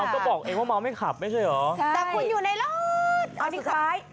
ก็บอกเองว่าเมาไม่ขับไม่ใช่เหรอใช่แต่คุณอยู่ในรถเอาที่คล้าย